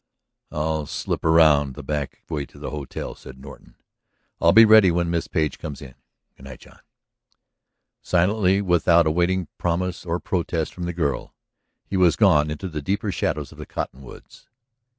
"I'll slip around the back way to the hotel," said Norton. "I'll be ready when Miss Page comes in. Good night, John." Silently, without awaiting promise or protest from the girl, he was gone into the deeper shadows of the cottonwoods.